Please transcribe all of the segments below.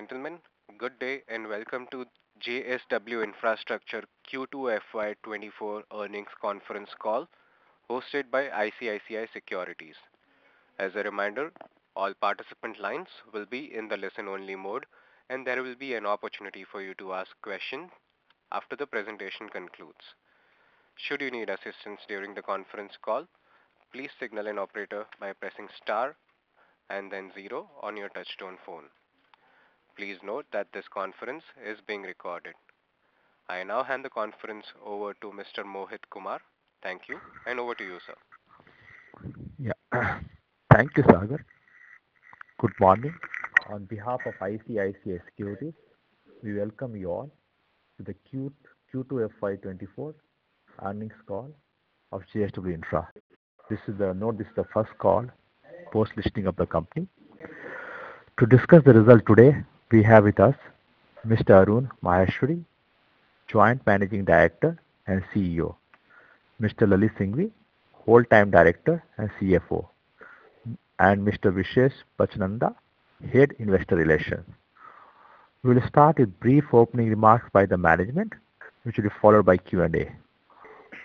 Ladies and gentlemen, good day, and welcome to JSW Infrastructure Q2 FY24 Earnings Conference Call, hosted by ICICI Securities. As a reminder, all participant lines will be in the listen-only mode, and there will be an opportunity for you to ask questions after the presentation concludes. Should you need assistance during the conference call, please signal an operator by pressing Star and then zero on your touchtone phone. Please note that this conference is being recorded. I now hand the conference over to Mr. Mohit Kumar. Thank you, and over to you, sir. Yeah. Thank you, Sagar. Good morning. On behalf of ICICI Securities, we Welcome you all to the Q2 FY24 Earnings Call of JSW Infra. This is the note, this is the first call post-listing of the company. To discuss the results today, we have with us Mr. Arun Maheshwari, Joint Managing Director and CEO, Mr. Lalit Singhvi, Whole-Time Director and CFO, and Mr. Vishesh Pachnanda, Head, Investor Relations. We'll start with brief opening remarks by the management, which will be followed by Q&A.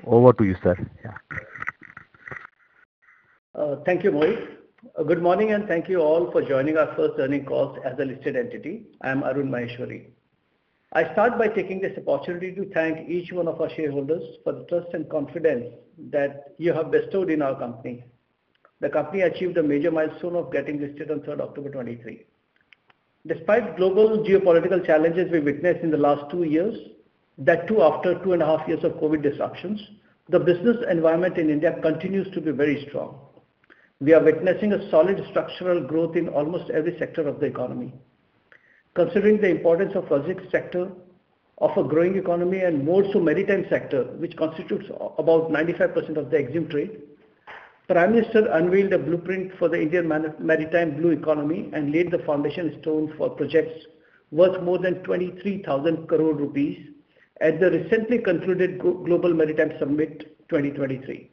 Over to you, sir. Yeah. Thank you, Mohit. Good morning, and thank you all for joining our first earnings call as a listed entity. I am Arun Maheshwari. I start by taking this opportunity to thank each one of our shareholders for the trust and confidence that you have bestowed in our company. The company achieved a major milestone of getting listed on 3 October 2023. Despite global geopolitical challenges we witnessed in the last two years, that too after two and a half years of COVID disruptions, the business environment in India continues to be very strong. We are witnessing a solid structural growth in almost every sector of the economy. Considering the importance of logistics sector, of a growing economy and more so maritime sector, which constitutes about 95% of the export trade, Prime Minister unveiled a blueprint for the Indian maritime blue economy and laid the foundation stone for projects worth more than 23,000 crore rupees at the recently concluded Global Maritime Summit 2023.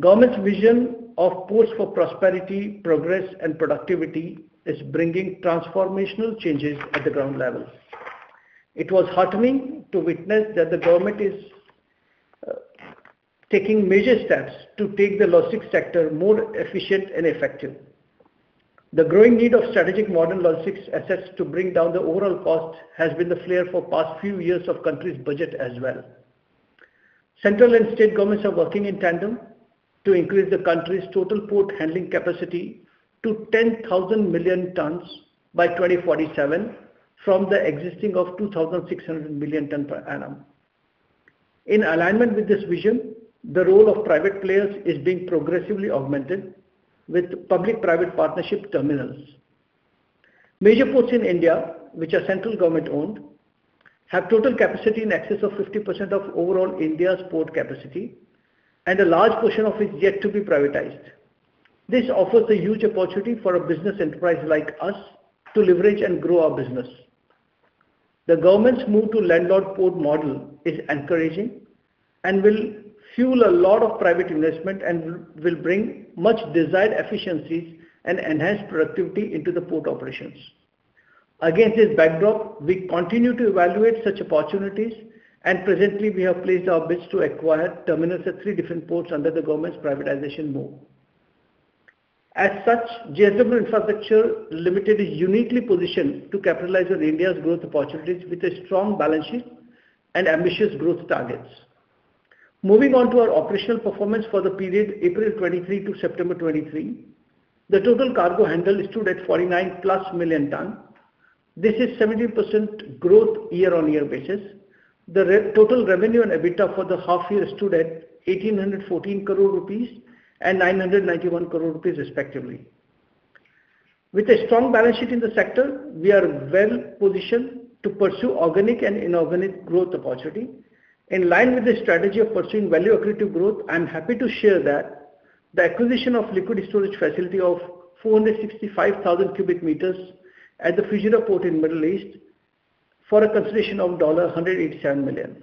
Government's vision of ports for prosperity, progress and productivity is bringing transformational changes at the ground level. It was heartening to witness that the government is taking measured steps to make the logistics sector more efficient and effective. The growing need of strategic modern logistics assets to bring down the overall cost has been the focus for past few years of country's budget as well. Central and state governments are working in tandem to increase the country's total port handling capacity to 10,000 million tonnes by 2047, from the existing of 2,600 million tonnes per annum. In alignment with this vision, the role of private players is being progressively augmented with public-private partnership terminals. Major ports in India, which are central government-owned, have total capacity in excess of 50% of overall India's port capacity, and a large portion of it is yet to be privatized. This offers a huge opportunity for a business enterprise like us to leverage and grow our business. The government's move to landlord port model is encouraging and will fuel a lot of private investment, and will bring much-desired efficiencies and enhanced productivity into the port operations. Against this backdrop, we continue to evaluate such opportunities, and presently we have placed our bids to acquire terminals at three different ports under the government's privatization move. As such, JSW Infrastructure Limited is uniquely positioned to capitalize on India's growth opportunities with a strong balance sheet and ambitious growth targets. Moving on to our operational performance for the period April 2023 to September 2023, the total cargo handled stood at 49+ million tonnes. This is 17% growth year-on-year basis. The total revenue and EBITDA for the half year stood at 1,814 crore rupees and 991 crore rupees respectively. With a strong balance sheet in the sector, we are well positioned to pursue organic and inorganic growth opportunity. In line with the strategy of pursuing value accretive growth, I'm happy to share that the acquisition of liquid storage facility of 465,000 cubic meters at the Fujairah Port in Middle East for a consideration of $187 million.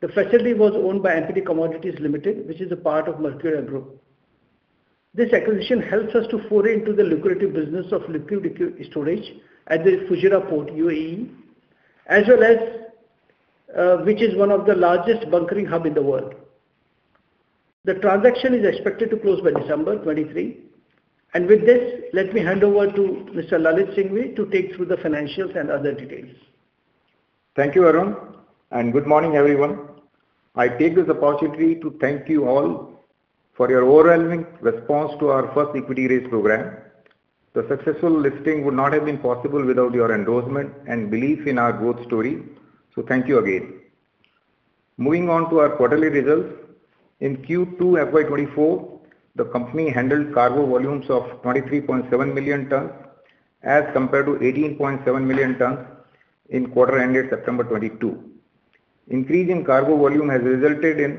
The facility was owned by Anthony Commodities Limited, which is a part of Mercuria Group. This acquisition helps us to foray into the lucrative business of liquid, liquid storage at the Fujairah Port, UAE, as well as which is one of the largest bunkering hub in the world. The transaction is expected to close by December 2023, and with this, let me hand over to Mr. Lalit Singhvi, to take through the financials and other details. Thank you, Arun, and good morning, everyone. I take this opportunity to thank you all for your overwhelming response to our first equity raise program. The successful listing would not have been possible without your endorsement and belief in our growth story. So thank you again. Moving on to our quarterly results. In Q2 FY 2024, the company handled cargo volumes of 23.7 million tonnes, as compared to 18.7 million tonnes in quarter ended September 2022. Increase in cargo volume has resulted in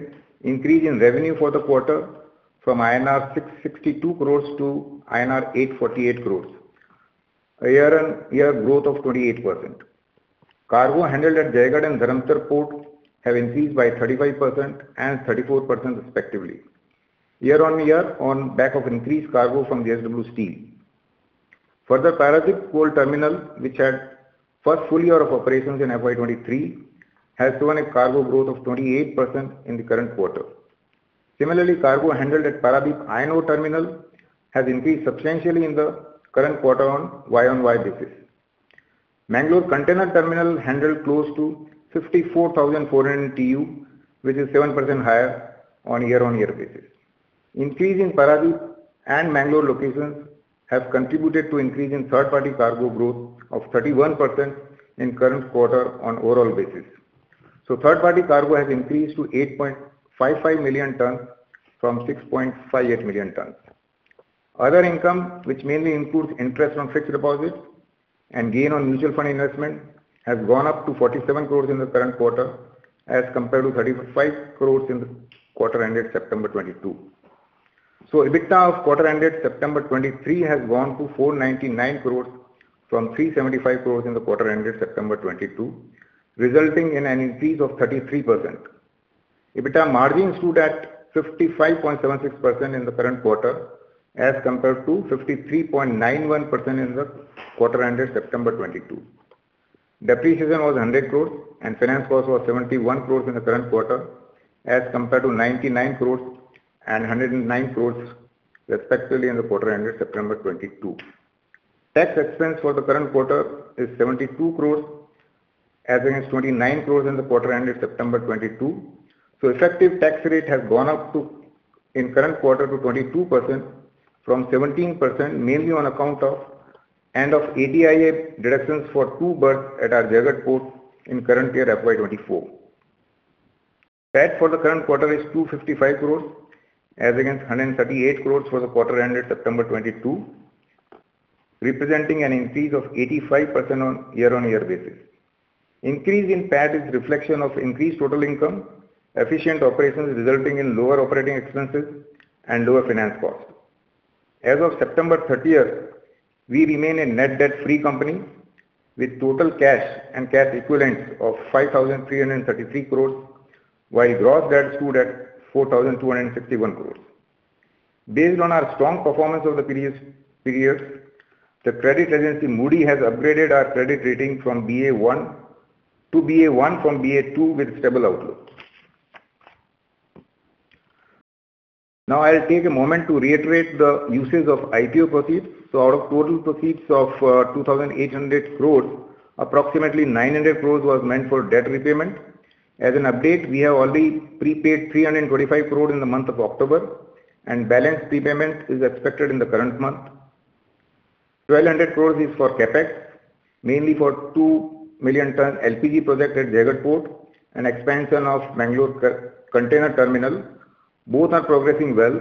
increase in revenue for the quarter from INR 662 crores to INR 848 crores, a year-on-year growth of 28%. Cargo handled at Jaigarh and Dharamtar Port have increased by 35% and 34%, respectively, year-on-year, on back of increased cargo from the JSW Steel. Further, Paradip Coal Terminal, which had first full year of operations in FY 2023, has shown a cargo growth of 28% in the current quarter. Similarly, cargo handled at Paradip Iron Ore Terminal has increased substantially in the current quarter on year-on-year basis. Mangalore Container Terminal handled close to 54,400 TEU, which is 7% higher on year-on-year basis. Increase in Paradip and Mangalore locations have contributed to increase in third party cargo growth of 31% in current quarter on overall basis. So third party cargo has increased to 8.55 million tonnes from 6.58 million tonnes. Other income, which mainly includes interest on fixed deposits and gain on mutual fund investment, has gone up to 47 crore in the current quarter, as compared to 35 crore in the quarter ended September 2022. EBITDA of quarter ended September 2023 has gone to 499 crore from 375 crore in the quarter ended September 2022, resulting in an increase of 33%. EBITDA margin stood at 55.76% in the current quarter, as compared to 53.91% in the quarter ended September 2022. Depreciation was 100 crore and finance cost was 71 crore in the current quarter, as compared to 99 crore and 109 crore, respectively, in the quarter ended September 2022. Tax expense for the current quarter is 72 crore, as against 29 crore in the quarter ended September 2022. Effective tax rate has gone up to 22% in the current quarter from 17%, mainly on account of end of 80-IA deductions for two berths at our Jaigarh port in current year, FY 2024. PAT for the current quarter is 255 crore, as against 138 crore for the quarter ended September 2022, representing an increase of 85% on year-on-year basis. Increase in PAT is reflection of increased total income, efficient operations resulting in lower operating expenses and lower finance cost. As of September 30, we remain a net debt-free company with total cash and cash equivalents of 5,333 crore, while gross debt stood at 4,261 crore. Based on our strong performance over the previous periods, the credit agency Moody's has upgraded our credit rating from Ba2 to Ba1 with stable outlook. Now, I'll take a moment to reiterate the usage of IPO proceeds. So out of total proceeds of 2,800 crore, approximately 900 crore was meant for debt repayment. As an update, we have already prepaid 345 crore in the month of October, and balance prepayment is expected in the current month. 1,200 crore is for CapEx, mainly for two million tonne LPG project at Jaigarh Port and expansion of Mangalore Container Terminal. Both are progressing well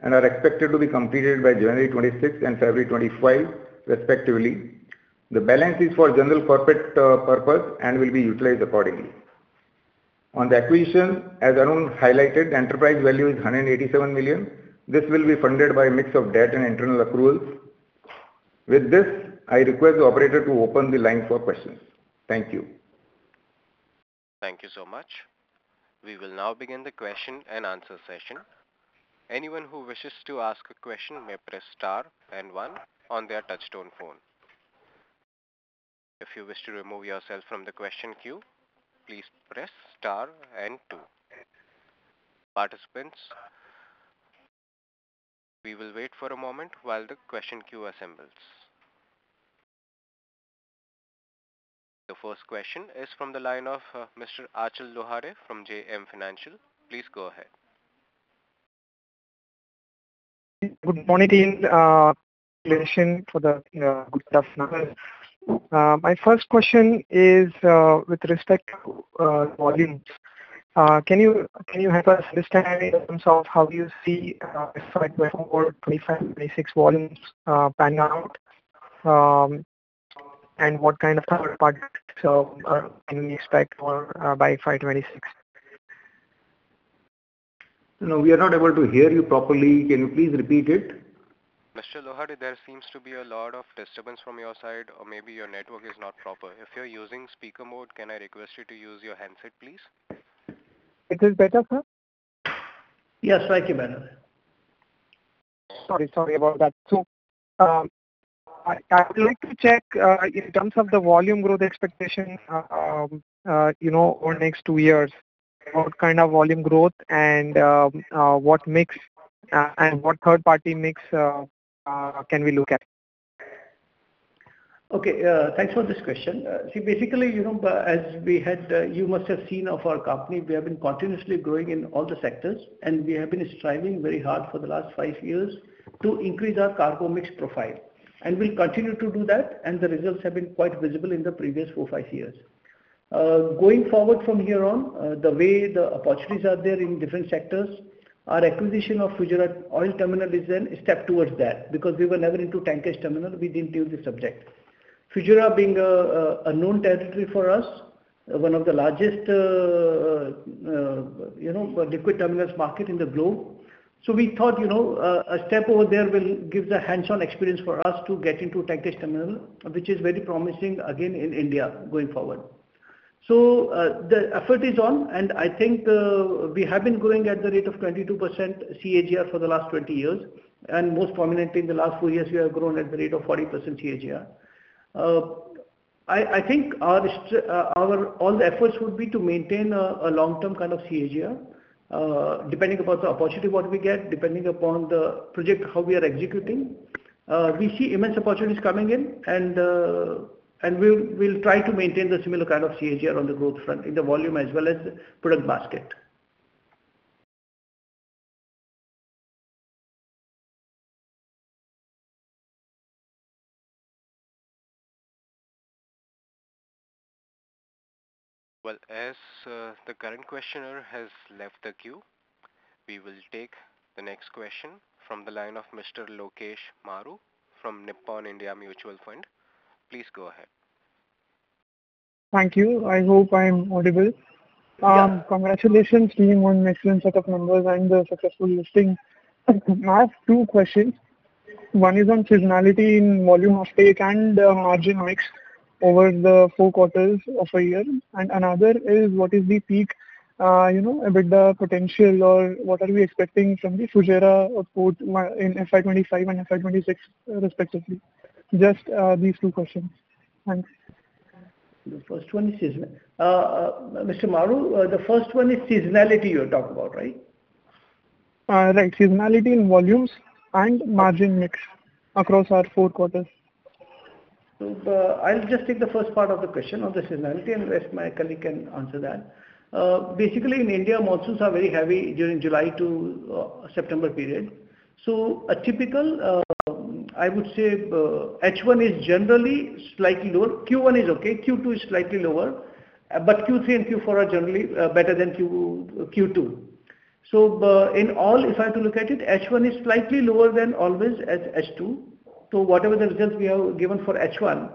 and are expected to be completed by January 2026 and February 2025, respectively. The balance is for general corporate purpose and will be utilized accordingly. On the acquisition, as Arun highlighted, the enterprise value is $187 million. This will be funded by a mix of debt and internal accruals. With this, I request the operator to open the line for questions. Thank you. Thank you so much. We will now begin the question-and-answer session. Anyone who wishes to ask a question may press star and one on their touchtone phone. If you wish to remove yourself from the question queue, please press star and two. Participants, we will wait for a moment while the question queue assembles. The first question is from the line of Mr. Achal Lohade from JM Financial. Please go ahead. Good morning, in relation for the good afternoon. My first question is with respect to volumes. Can you help us understand in terms of how you see 2025, 2026 volumes panning out? And what kind of third party, so can we expect for by FY 2026? No, we are not able to hear you properly. Can you please repeat it? Mr. Lohade, there seems to be a lot of disturbance from your side, or maybe your network is not proper. If you're using speaker mode, can I request you to use your handset, please? Is this better, sir? Yes, thank you very much. Sorry, sorry about that. So, I would like to check in terms of the volume growth expectation, you know, over the next two years, what kind of volume growth and what mix can we look at? Okay, thanks for this question. See, basically, you know, as we had, you must have seen of our company, we have been continuously growing in all the sectors, and we have been striving very hard for the last five years to increase our cargo mix profile. And we'll continue to do that, and the results have been quite visible in the previous four, five years. Going forward from here on, the way the opportunities are there in different sectors, our acquisition of Fujairah Oil Terminal is a step towards that, because we were never into tankage terminal, we didn't build the subject. Fujairah being a known territory for us. One of the largest, you know, liquid terminals market in the globe. So we thought, you know, a step over there will give the hands-on experience for us to get into tankage terminal, which is very promising again in India going forward. So, the effort is on, and I think, we have been growing at the rate of 22% CAGR for the last 20 years, and most prominently in the last four years, we have grown at the rate of 40% CAGR. I think our all the efforts would be to maintain a long-term kind of CAGR, depending upon the opportunity what we get, depending upon the project, how we are executing. We see immense opportunities coming in, and we'll try to maintain the similar kind of CAGR on the growth front, in the volume as well as product basket. Well, as, the current questioner has left the queue, we will take the next question from the line of Mr. Lokesh Maru from Nippon India Mutual Fund. Please go ahead. Thank you. I hope I'm audible. Yeah. Congratulations to you on excellent set of numbers and the successful listing. I have two questions. One is on seasonality in volume of take and margin mix over the four quarters of a year, and another is what is the peak, you know, EBITDA potential or what are we expecting from the Fujairah port in FY 2025 and FY 2026 respectively? Just, these two questions. Thanks. The first one is Mr. Maru, the first one is seasonality you're talking about, right? Right. Seasonality in volumes and margin mix across our four quarters. So, I'll just take the first part of the question on the seasonality, and rest my colleague can answer that. Basically, in India, monsoons are very heavy during July to September period. So a typical, I would say, H1 is generally slightly lower. Q1 is okay, Q2 is slightly lower, but Q3 and Q4 are generally better than Q2. So, in all, if I have to look at it, H1 is slightly lower than always as H2. So whatever the results we have given for H1,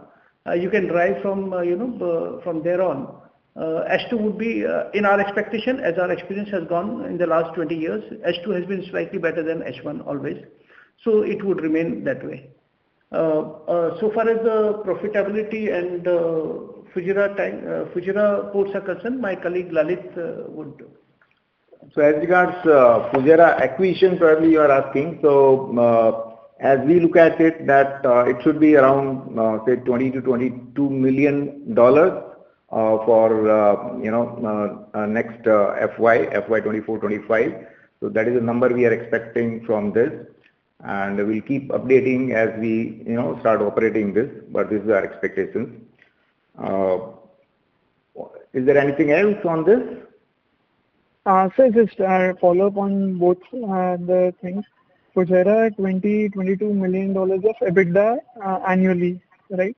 you can derive from, you know, from there on. H2 would be, in our expectation, as our experience has gone in the last 20 years, H2 has been slightly better than H1 always. So it would remain that way.bSo far as the profitability and Fujairah time, Fujairah ports are concerned, my colleague, Lalit, would. So as regards Fujairah acquisition, probably you are asking. So, as we look at it, that, it should be around, say $20-$22 million, for, you know, next FY 2024-25. So that is the number we are expecting from this, and we'll keep updating as we, you know, start operating this, but this is our expectation. Is there anything else on this? Sir, just a follow-up on both the things. Fujairah, $22 million of EBITDA annually, right?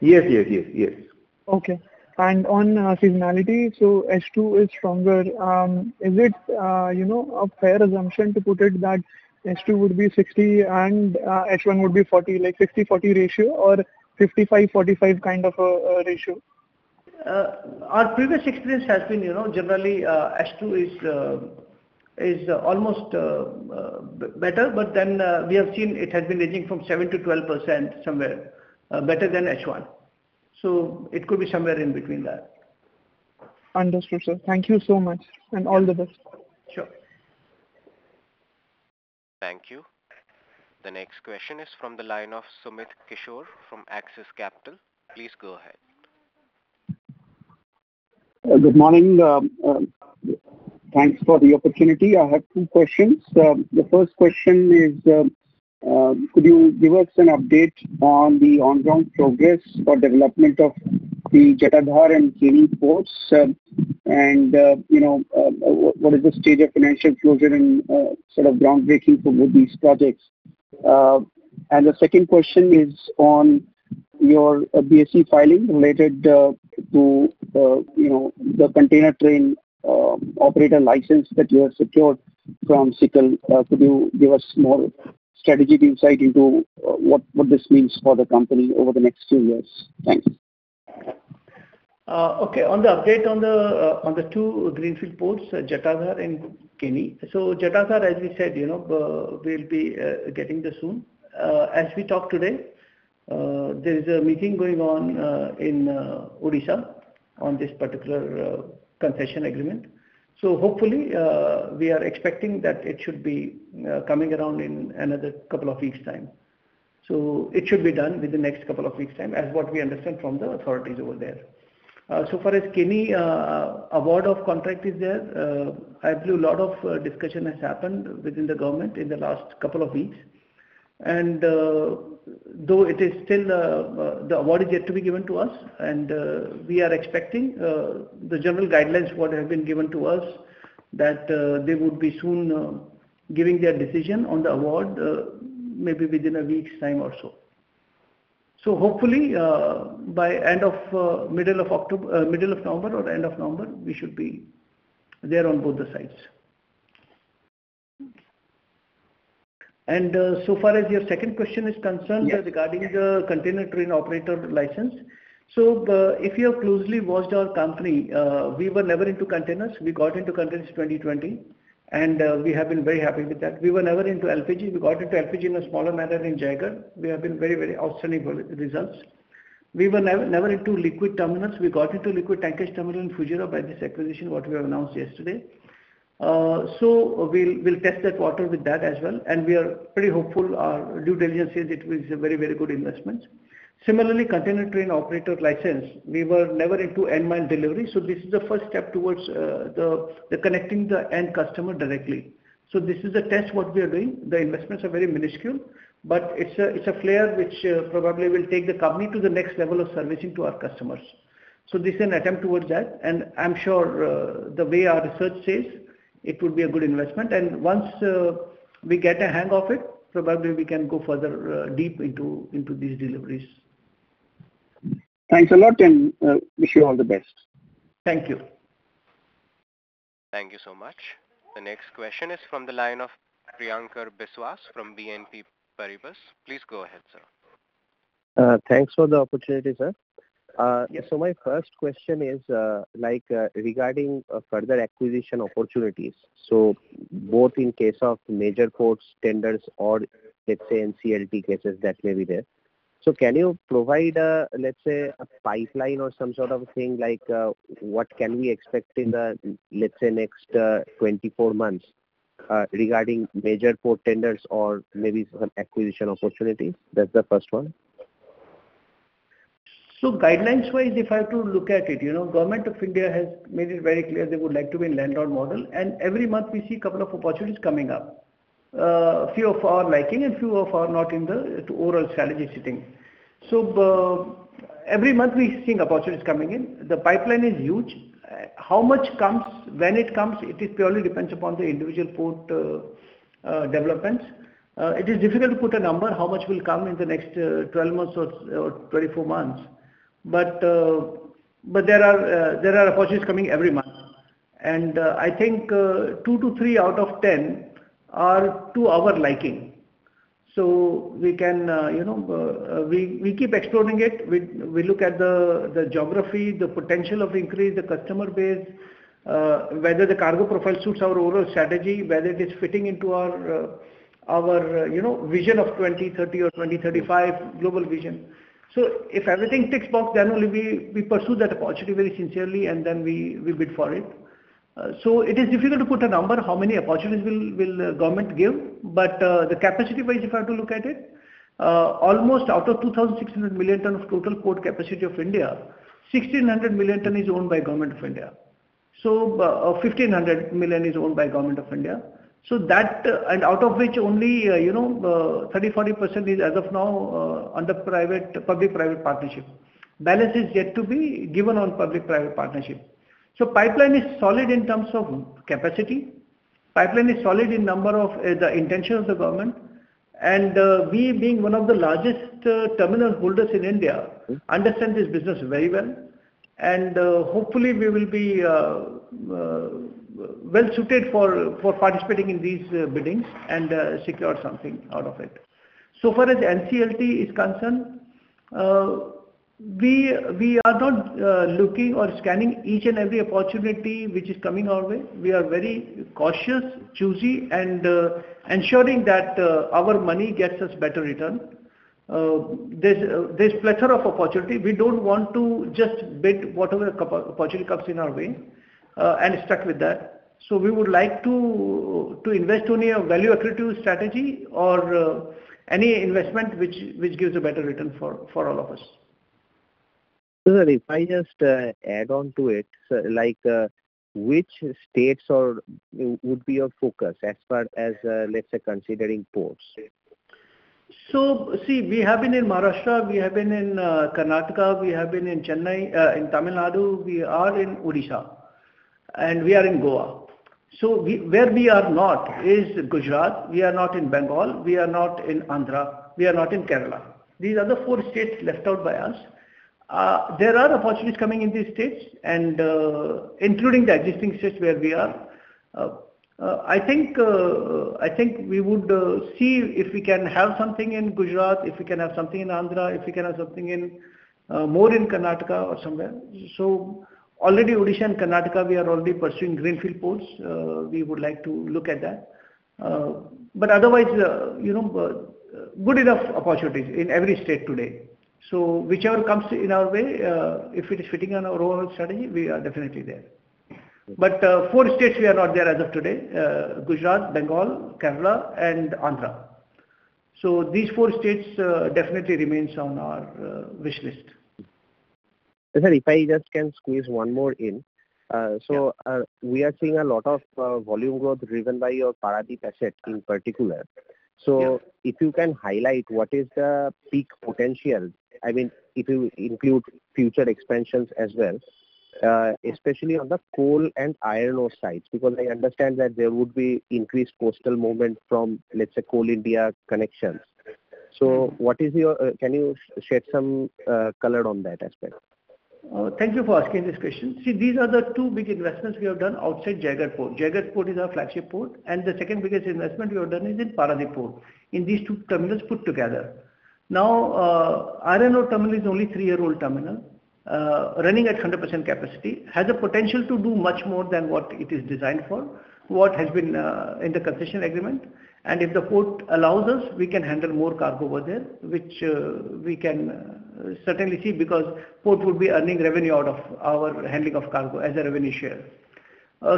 Yes. Okay. On seasonality, so H2 is stronger. Is it, you know, a fair assumption to put it that H2 would be 60 and H1 would be 40, like 60/40 ratio or 55/45 kind of a ratio? Our previous experience has been, you know, generally, H2 is almost better, but then, we have seen it has been ranging from 7%-12%, somewhere better than H1. So it could be somewhere in between that. Understood, sir. Thank you so much, and all the best. Sure. Thank you. The next question is from the line of Sumit Kishore from Axis Capital. Please go ahead. Good morning. Thanks for the opportunity. I have two questions. The first question is, could you give us an update on the ongoing progress or development of the Jatadhar and Keni ports? You know, what is the stage of financial closure and sort of groundbreaking for both these projects? The second question is on your BSE filing related to the container train operator license that you have secured from Sical. Could you give us more strategic insight into what this means for the company over the next two years? Thanks. Okay. On the update on the, on the two greenfield ports, Jatadhar and Keni. So Jatadhar, as we said, you know, we'll be, getting this soon. As we talk today, there is a meeting going on, in, Odisha on this particular, concession agreement. So hopefully, we are expecting that it should be, coming around in another couple of weeks time. So it should be done within the next couple of weeks time, as what we understand from the authorities over there. So far as Keni, award of contract is there, I believe a lot of discussion has happened within the government in the last couple of weeks. Though it is still the award is yet to be given to us, and we are expecting the general guidelines what have been given to us, that they would be soon giving their decision on the award, maybe within a week's time or so. So hopefully, by end of middle of November or end of November, we should be there on both the sides. So far as your second question is concerned- Yes. regarding the container train operator license. So, if you have closely watched our company, we were never into containers. We got into containers 2020, and, we have been very happy with that. We were never into LPG. We got into LPG in a smaller manner in Jaigarh. We have been very, very outstanding results. We were never, never into liquid terminals. We got into liquid tankage terminal in Fujairah by this acquisition, what we have announced yesterday. So we'll, we'll test that water with that as well, and we are pretty hopeful. Our due diligence says it is a very, very good investment. Similarly, container train operator license, we were never into end-mile delivery, so this is the first step towards the connecting the end customer directly. So this is a test what we are doing. The investments are very minuscule, but it's a, it's a flare which probably will take the company to the next level of servicing to our customers. So this is an attempt towards that, and I'm sure the way our research says, it would be a good investment, and once we get a hang of it, probably we can go further deep into these deliveries. Thanks a lot, and wish you all the best. Thank you. Thank you so much. The next question is from the line of Priyankar Biswas from BNP Paribas. Please go ahead, sir. Thanks for the opportunity, sir. Yes. My first question is, like, regarding further acquisition opportunities. Both in case of major ports, tenders or, let's say, NCLT cases that may be there. Can you provide, let's say, a pipeline or some sort of thing, like, what can we expect in the, let's say, next 24 months, regarding major port tenders or maybe some acquisition opportunities? That's the first one. So guidelines wise, if I have to look at it, you know, Government of India has made it very clear they would like to be in landlord model, and every month we see a couple of opportunities coming up. Few of our liking and few of our not in the, to overall strategy sitting. So, every month we're seeing opportunities coming in. The pipeline is huge. How much comes, when it comes, it purely depends upon the individual port developments. It is difficult to put a number, how much will come in the next, 12 months or 24 months, but, but there are, there are opportunities coming every month. And, I think, two, three out of 10 are to our liking. So we can, you know, we keep exploring it. We look at the geography, the potential of increase, the customer base, whether the cargo profile suits our overall strategy, whether it is fitting into our, our, you know, vision of 2030 or 2035 global vision. So if everything ticks box, then only we pursue that opportunity very sincerely, and then we bid for it. So it is difficult to put a number how many opportunities will government give, but the capacity wise, if I have to look at it, almost out of 2,600 million tonnes of total port capacity of India, 1,600 million tonnes is owned by Government of India. So, 1,500 million is owned by Government of India. So that, and out of which only, you know, 30%-40% is, as of now, under public-private partnership. Balance is yet to be given on public-private partnership. So pipeline is solid in terms of capacity. Pipeline is solid in number of, the intention of the government, and, we being one of the largest, terminal holders in India. I understand this business very well, and hopefully we will be well suited for participating in these biddings and secure something out of it. So far as NCLT is concerned, we are not looking or scanning each and every opportunity which is coming our way. We are very cautious, choosy, and ensuring that our money gets us better return. There's a plethora of opportunity. We don't want to just bid whatever opportunity comes in our way and stuck with that. So we would like to invest only a value accretive strategy or any investment which gives a better return for all of us. Sir, if I just add on to it, so like, which states would be your focus as far as, let's say, considering ports? So, see, we have been in Maharashtra, we have been in, Karnataka, we have been in Chennai, in Tamil Nadu, we are in Odisha, and we are in Goa. So we where we are not is Gujarat, we are not in Bengal, we are not in Andhra, we are not in Kerala. These are the four states left out by us. There are opportunities coming in these states and, including the existing states where we are. I think we would see if we can have something in Gujarat, if we can have something in Andhra, if we can have something in, more in Karnataka or somewhere. So already Odisha and Karnataka, we are already pursuing greenfield ports. We would like to look at that. But otherwise, you know, good enough opportunities in every state today. Whichever comes in our way, if it is fitting in our overall strategy, we are definitely there. Okay. Four states we are not there as of today: Gujarat, Bengal, Kerala and Andhra. These four states definitely remains on our wish list. Sir, if I just can squeeze one more in. Yeah. So, we are seeing a lot of volume growth driven by your Paradip asset in particular. Yeah. So if you can highlight what is the peak potential, I mean, if you include future expansions as well, especially on the coal and iron ore sides, because I understand that there would be increased coastal movement from, let's say, Coal India connections. So what is your, can you shed some color on that aspect? Thank you for asking this question. See, these are the two big investments we have done outside Jaigarh Port. Jaigarh Port is our flagship port, and the second biggest investment we have done is in Paradip Port, in these two terminals put together. Now, Iron Ore terminal is only three-year-old terminal, running at 100% capacity, has the potential to do much more than what it is designed for, what has been in the concession agreement. And if the port allows us, we can handle more cargo over there, which we can certainly see, because port would be earning revenue out of our handling of cargo as a revenue share.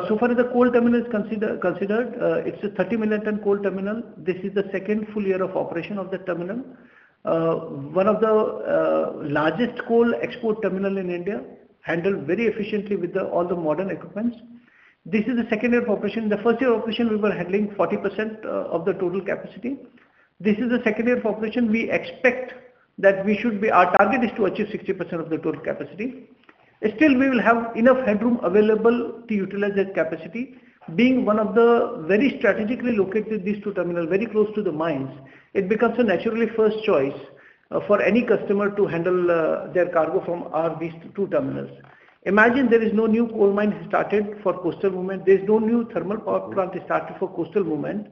So far as the coal terminal is considered, it's a 30 million ton coal terminal. This is the second full year of operation of the terminal. One of the largest coal export terminal in India, handled very efficiently with all the modern equipment. This is the second year of operation. The first year of operation, we were handling 40% of the total capacity. This is the second year of operation. We expect that we should be our target is to achieve 60% of the total capacity. Still, we will have enough headroom available to utilize that capacity. Being one of the very strategically located these two terminals, very close to the mines, it becomes a naturally first choice for any customer to handle their cargo from these two terminals. Imagine there is no new coal mine started for coastal movement. There is no new thermal power plant started for coastal movement.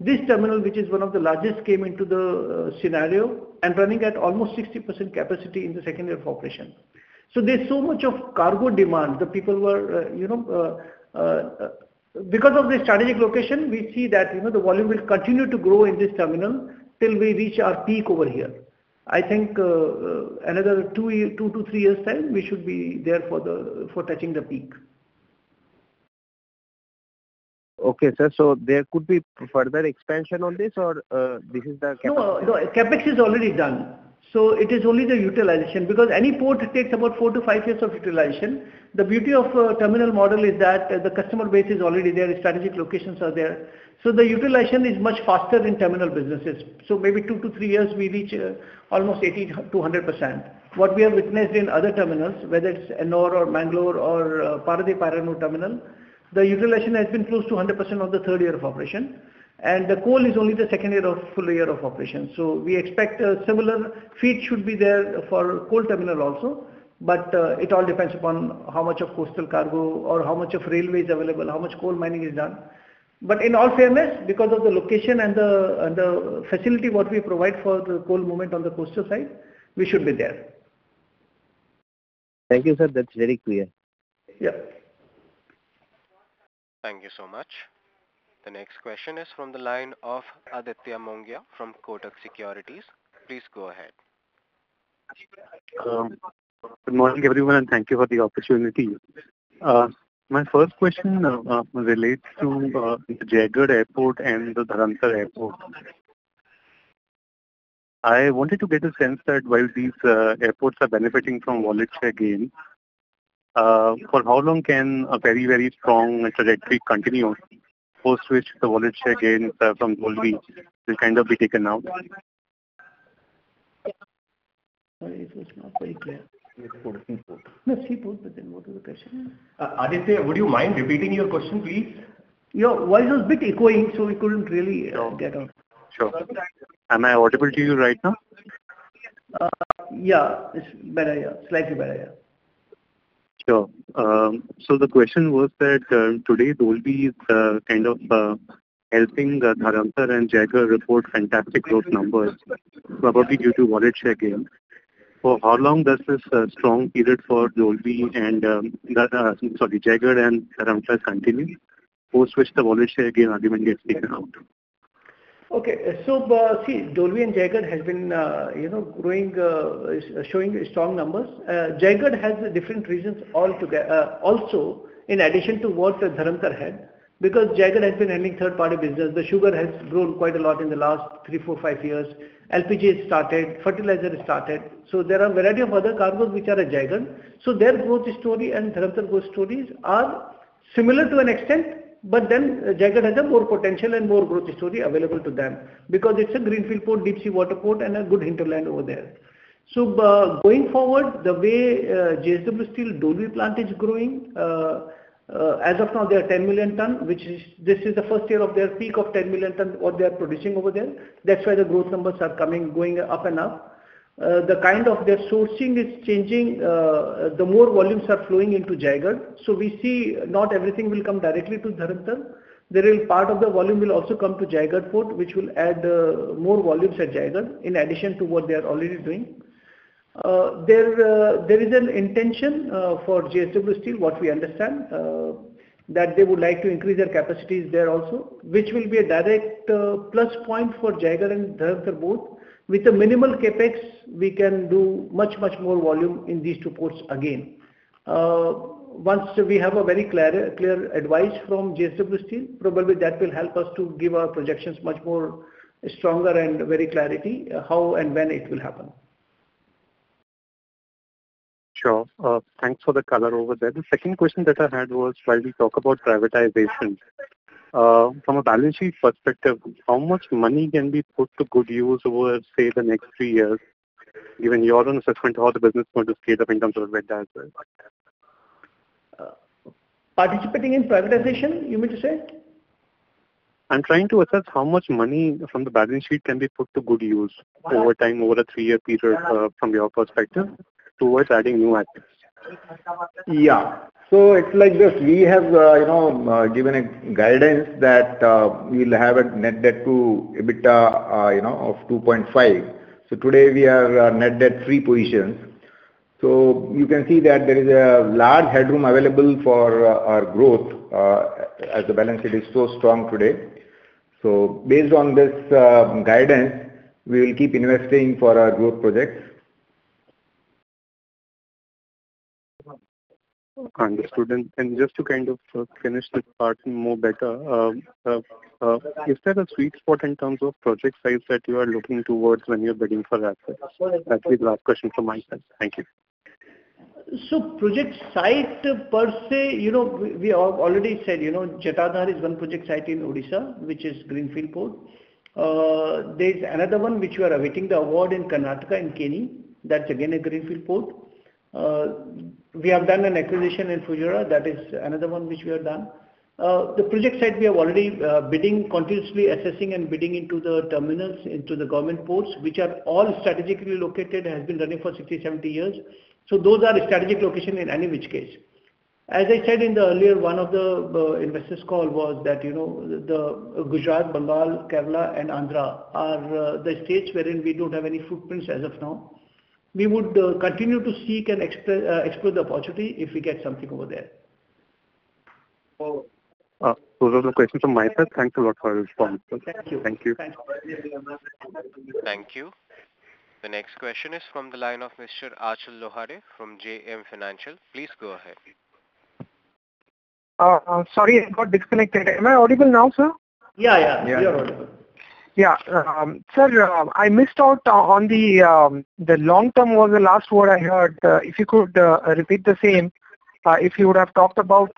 This terminal, which is one of the largest, came into the scenario and running at almost 60% capacity in the second year of operation. So there's so much of cargo demand. The people were, you know, because of the strategic location, we see that, you know, the volume will continue to grow in this terminal till we reach our peak over here. I think, another two year, two to three years' time, we should be there for the, for touching the peak. Okay, sir. So there could be further expansion on this or, this is the capacity? No, no, CapEx is already done, so it is only the utilization, because any port takes about four to five years of utilization. The beauty of a terminal model is that the customer base is already there, strategic locations are there, so the utilization is much faster in terminal businesses. So maybe two to three years, we reach almost 80%-100%. What we have witnessed in other terminals, whether it's Ennore or Mangalore or Paradip iron ore terminal, the utilization has been close to 100% of the third year of operation, and the coal is only the second year of full year of operation. So we expect a similar feat should be there for coal terminal also, but it all depends upon how much of coastal cargo or how much of railway is available, how much coal mining is done. But in all fairness, because of the location and the facility what we provide for the coal movement on the coastal side, we should be there. Thank you, sir. That's very clear. Yeah. Thank you so much. The next question is from the line of Aditya Mongia from Kotak Securities. Please go ahead. Good morning, everyone, and thank you for the opportunity. My first question relates to Jaigarh Port and the Dharamtar Port. I wanted to get a sense that while these ports are benefiting from wallet share gain, for how long can a very, very strong trajectory continue post which the wallet share gain from Dolvi will kind of be taken out? Sorry, it was not very clear. Airport. Yes, seaport, but then what was the question? Aditya, would you mind repeating your question, please? Your voice was a bit echoing, so we couldn't really- Sure. -get on. Sure. Am I audible to you right now? Yeah, it's better, yeah. Slightly better, yeah. Sure. So the question was that, today, Dolvi is kind of helping the Dharamtar and Jaigarh report fantastic growth numbers, probably due to wallet share gain. For how long does this strong period for Dolvi and the Jaigarh and Dharamtar continue, post which the wallet share gain argument gets taken out? Okay. So, see, Dolvi and Jaigarh has been, you know, growing, showing strong numbers. Jaigarh has different rules altogether, also in addition to what the Dharamtar had, because Jaigarh has been handling third-party business. The sugar has grown quite a lot in the last three, four, five years. LPG has started, fertilizer has started, so there are a variety of other cargos which are at Jaigarh. So their growth story and Dharamtar growth stories are similar to an extent, but then Jaigarh has a more potential and more growth story available to them, because it's a greenfield port, deep sea water port, and a good hinterland over there. So, going forward, the way, JSW Steel Dolvi plant is growing, as of now, they are 10 million ton, which is This is the first year of their peak of 10 million tonnes, what they are producing over there. That's why the growth numbers are coming, going up and up. The kind of their sourcing is changing, the more volumes are flowing into Jaigarh. So we see not everything will come directly to Dharamtar. There is part of the volume will also come to Jaigarh port, which will add, more volumes at Jaigarh, in addition to what they are already doing. There, there is an intention, for JSW Steel, what we understand, that they would like to increase their capacities there also, which will be a direct, plus point for Jaigarh and Dharamtar both. With a minimal CapEx, we can do much, much more volume in these two ports again. Once we have a very clear advice from JSW Steel, probably that will help us to give our projections much more stronger and very clarity, how and when it will happen. Sure. Thanks for the color over there. The second question that I had was, while we talk about privatization, from a balance sheet perspective, how much money can be put to good use over, say, the next three years, given your own assessment of how the business is going to scale up in terms of dividends as well? Participating in privatization, you mean to say? I'm trying to assess how much money from the balance sheet can be put to good use over time, over a three-year period, from your perspective, towards adding new assets. Yeah. So it's like this, we have, you know, given a guidance that, we'll have a net debt to EBITDA, you know, of 2.5. So today we are net debt three positions. So you can see that there is a large headroom available for our growth, as the balance sheet is so strong today. So based on this guidance, we will keep investing for our growth projects. Understood. Just to kind of finish this part more better, is there a sweet spot in terms of project size that you are looking towards when you're bidding for that? That's the last question from my side. Thank you. So project site, per se, you know, we already said, you know, Jatadhar is one project site in Odisha, which is greenfield port. There's another one which we are awaiting the award in Karnataka, in Keni. That's again, a greenfield port. We have done an acquisition in Fujairah. That is another one which we have done. The project site we are already bidding, continuously assessing and bidding into the terminals, into the government ports, which are all strategically located, has been running for 60, 70 years. So those are strategic location in any which case. As I said in the earlier, one of the investors call was that, you know, the Gujarat, Mangalore, Kerala, and Andhra are the states wherein we don't have any footprints as of now. We would continue to seek and explore the opportunity if we get something over there. Over. Those are the questions from my side. Thanks a lot for your response. Thank you. Thank you. Thank you. The next question is from the line of Mr. Achal Lohade from JM Financial. Please go ahead. Sorry, I got disconnected. Am I audible now, sir? Yeah, yeah. Yeah. You are audible. Yeah. Sir, I missed out on the, the long term was the last word I heard. If you could repeat the same, if you would have talked about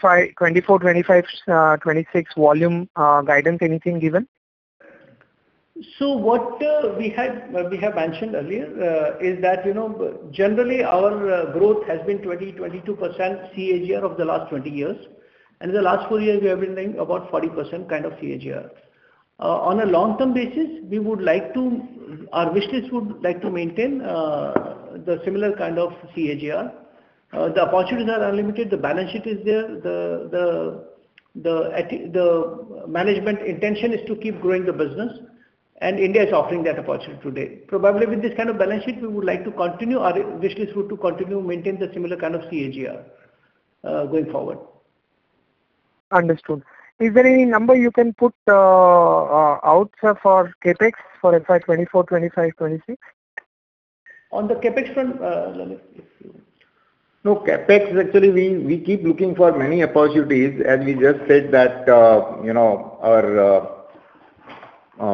FY 2024, 2025, 2026 volume, guidance, anything given? So what we had, we have mentioned earlier is that, you know, generally our growth has been 22% CAGR of the last 20 years. And in the last four years, we have been doing about 40% kind of CAGR. On a long-term basis, we would like to our wish list would like to maintain the similar kind of CAGR. The opportunities are unlimited, the balance sheet is there, the management intention is to keep growing the business, and India is offering that opportunity today. Probably with this kind of balance sheet, we would like to continue, our wish list would to continue, maintain the similar kind of CAGR going forward. Understood. Is there any number you can put out, sir, for CapEx for FY 2024, 2025, 2026? On the CapEx front, No, CapEx, actually, we, we keep looking for many opportunities, and we just said that, you know, our,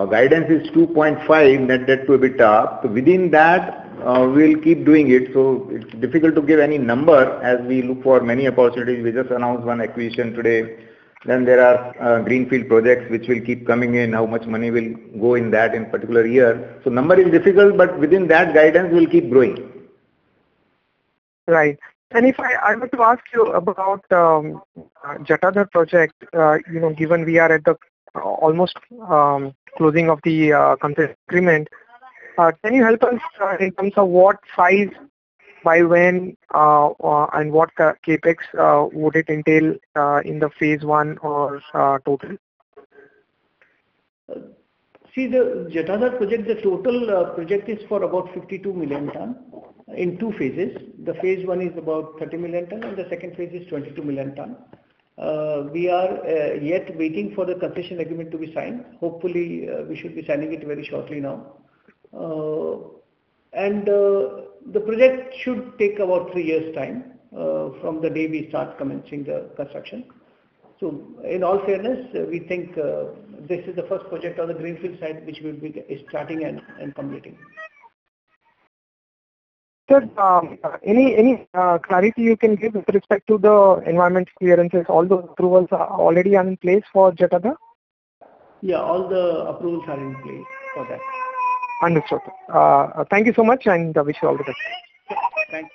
guidance is 2.5 net debt to EBITDA. So within that, we'll keep doing it. So it's difficult to give any number as we look for many opportunities. We just announced one acquisition today. Then there are, greenfield projects, which will keep coming in, how much money will go in that in particular year. So number is difficult, but within that guidance, we'll keep growing. Right. And if I want to ask you about Jatadhar project, you know, given we are at the almost closing of the contract agreement, can you help us in terms of what size, by when, and what CapEx would it entail in the phase one or total? See, the Jatadhar project, the total project is for about 52 million tonnes in two phases. The phase one is about 30 million tonnes, and the second phase is 22 million tonnes. We are yet waiting for the concession agreement to be signed. Hopefully, we should be signing it very shortly now. And the project should take about three years' time from the day we start commencing the construction. So in all fairness, we think this is the first project on the greenfield side, which we'll be starting and completing. Sir, any clarity you can give with respect to the environmental clearances? All the approvals are already in place for Jatadhar? Yeah, all the approvals are in place for that. Understood. Thank you so much, and I wish you all the best. Thank you.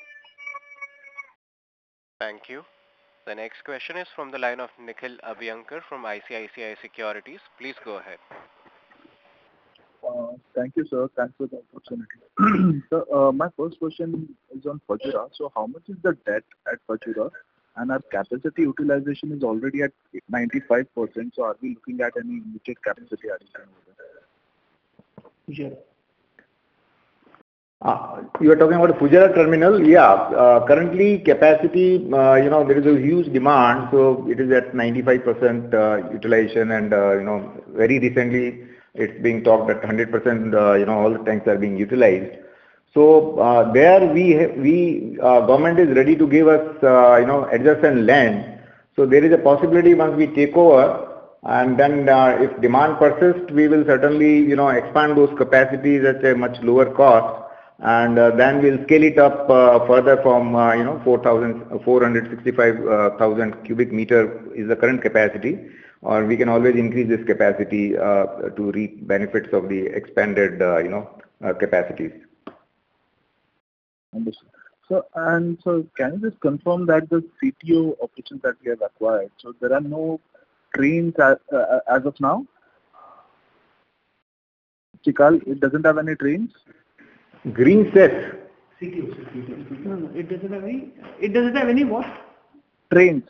Thank you. The next question is from the line of Nikhil Abhyankar from ICICI Securities. Please go ahead. Thank you, sir. Thanks for the opportunity. So, my first question is on Fujairah. How much is the debt at Fujairah? Our capacity utilization is already at 95%, so are we looking at any future capacity addition? Fujairah. You are talking about Fujairah terminal? Yeah, currently capacity, you know, there is a huge demand, so it is at 95% utilization. And, you know, very recently it's being talked at 100%, you know, all the tanks are being utilized. So, there we have- we, government is ready to give us, you know, adjacent land. So there is a possibility once we take over, and then, if demand persists, we will certainly, you know, expand those capacities at a much lower cost. And, then we'll scale it up, further from, you know, 465 thousand cubic meter is the current capacity, or we can always increase this capacity to reap benefits of the expanded, you know, capacities. Understood. So, and so can you just confirm that the CTO operations that we have acquired, so there are no trains as of now? Sical, it doesn't have any trains? Green set. CTO, sir, CTO. No, no, it doesn't have any. It doesn't have any what? Trains.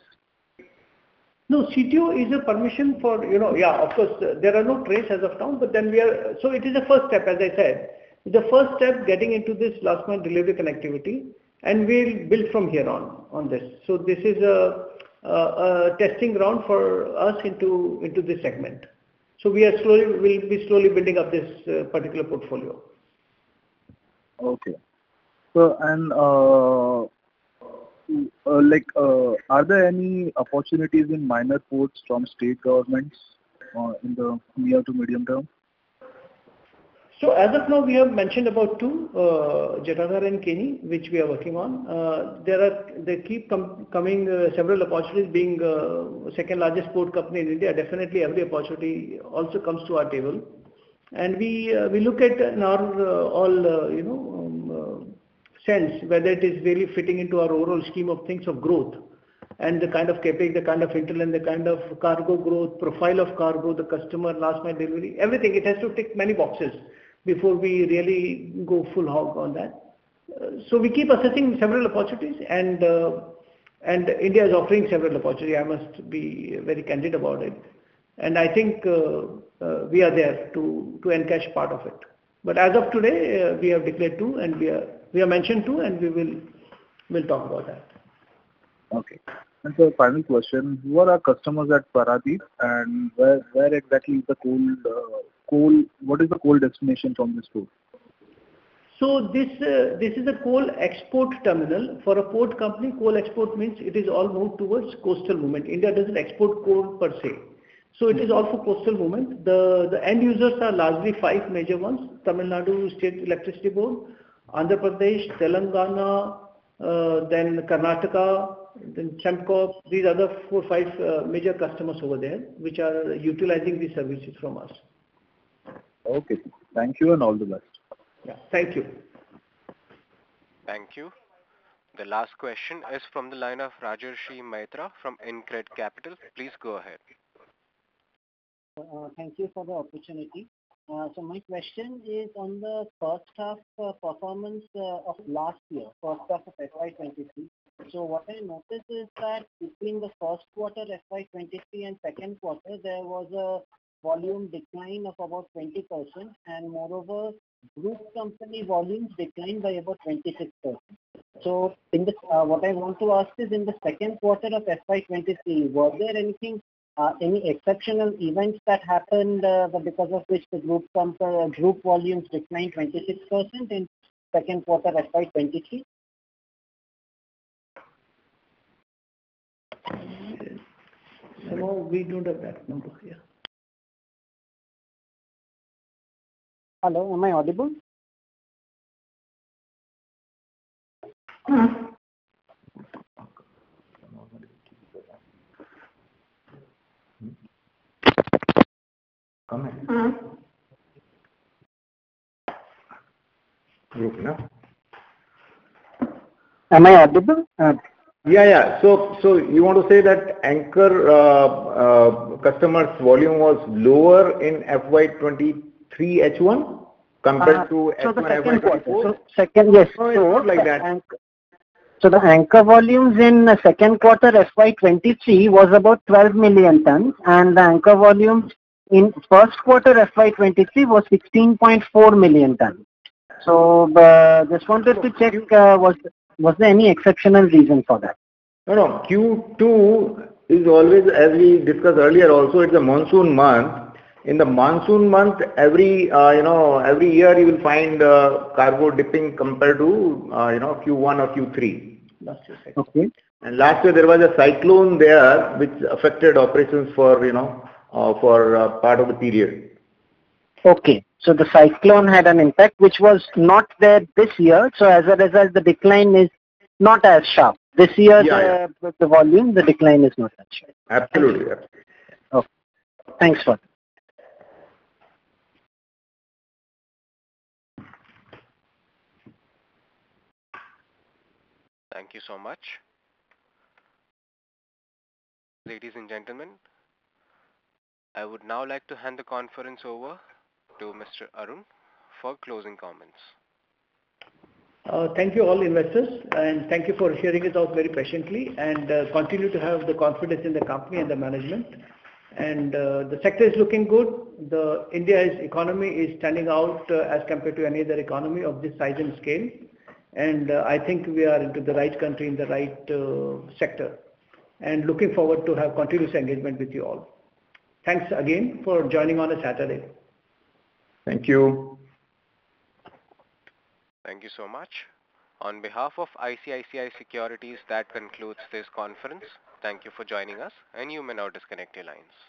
No, CTO is a permission for, you know. Yeah, of course, there are no trains as of now, but then we are. So it is a first step, as I said. The first step getting into this last mile delivery connectivity, and we'll build from here on, on this. So this is a testing ground for us into, into this segment. So we are slowly, we'll be slowly building up this particular portfolio. Okay. So, like, are there any opportunities in minor ports from state governments in the near to medium term? So as of now, we have mentioned about two, Jatadhar and Keni, which we are working on. There are they keep coming, several opportunities being, second largest port company in India, definitely every opportunity also comes to our table. And we, we look at in our, all, you know, sense, whether it is really fitting into our overall scheme of things of growth and the kind of CapEx the kind of intel and the kind of cargo growth, profile of cargo The customer, last mile delivery, everything. It has to tick many boxes before we really go full hog on that. So we keep assessing several opportunities and, and India is offering several opportunity. I must be very candid about it. And I think, we are there to, to encash part of it. But as of today, we have declared two, and we have mentioned two, and we will, we'll talk about that. Okay. And so final question: Who are our customers at Paradip, and where exactly is the coal destination from this port? So this, this is a coal export terminal. For a port company, coal export means it is all moved towards coastal movement. India doesn't export coal per se, so it is all for coastal movement. The end users are largely five major ones: Tamil Nadu State Electricity Board, Andhra Pradesh, Telangana, then Karnataka, then Sembcorp. These are the four, five, major customers over there, which are utilizing these services from us. Okay. Thank you, and all the best. Yeah. Thank you. Thank you. The last question is from the line of Rajarshi Maitra from Incred Capital. Please go ahead. Thank you for the opportunity. So my question is on the first half, performance, of last year, first half of FY 2023. So what I noticed is that between the first quarter, FY 2023, and second quarter, there was a volume decline of about 20%, and moreover, group company volumes declined by about 26%. So in the, what I want to ask is in the second quarter of FY 2023, was there anything, any exceptional events that happened, because of which the group company or group volumes declined 26% in second quarter, FY 2023? We don't have that number here. Hello, am I audible? Am I? Am I audible? Yeah, yeah. So you want to say that anchor customer's volume was lower in FY 2023 H1 compared to FY 2024? So the second quarter. So second, yes. It's like that. So the anchor volumes in the second quarter, FY 2023, was about 12 million tonnes, and the anchor volume in first quarter, FY 2023, was 16.4 million tonnes. So, just wanted to check, was there any exceptional reason for that? No, no. Q2 is always, as we discussed earlier, also, it's a monsoon month. In the monsoon month, you know, every year you will find, cargo dipping compared to, you know, Q1 or Q3. Okay. Last year there was a cyclone there, which affected operations for, you know, part of the period. Okay. So the cyclone had an impact, which was not there this year. So as a result, the decline is not as sharp. Yeah. This year, the volume, the decline is not as sharp. Absolutely. Yeah. Okay. Thanks for that. Thank you so much. Ladies and gentlemen, I would now like to hand the conference over to Mr. Arun for closing comments. Thank you, all investors, and thank you for hearing us out very patiently, and continue to have the confidence in the company and the management. The sector is looking good. India's economy is standing out as compared to any other economy of this size and scale, and I think we are into the right country, in the right sector. Looking forward to have continuous engagement with you all. Thanks again for joining on a Saturday. Thank you. Thank you so much. On behalf of ICICI Securities, that concludes this conference. Thank you for joining us, and you may now disconnect your lines.